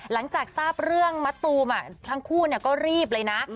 หลังจากทราบเรื่องมะตูมทั้งคู่ก็รีบเลยนะ